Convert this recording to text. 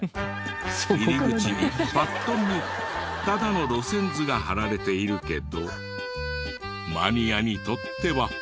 入り口にパッと見ただの路線図が貼られているけどマニアにとっては。